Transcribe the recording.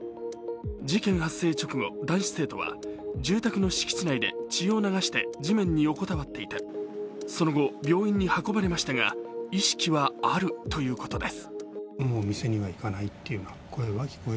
事件発生直後、男子生徒は住宅の敷地内で血を流して地面に横たわっていてその後、病院に運ばれましたが、意識はあるということです。